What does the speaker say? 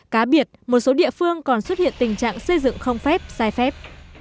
cá biệt một số địa phương còn xuất hiện tình trạng xây dựng không phép sai phép